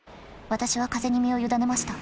私は風に身を委ねました。